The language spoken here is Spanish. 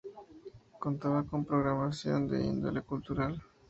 Contaba con programación de índole cultural.